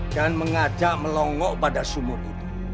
mengajak melongok pada sumur itu